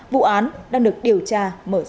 vụ án đang được điều tra mở rộng